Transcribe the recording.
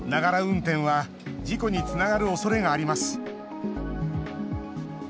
運転は事故につながるおそれがあります。